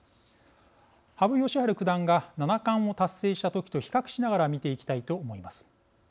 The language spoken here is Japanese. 羽生善治九段が七冠を達成した時と比較しながら見ていきたいと思います。